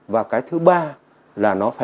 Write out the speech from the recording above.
và cái thứ ba